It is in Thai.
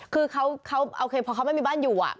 คือเขาโอเคพอเขาไม่มีบ้านอยู่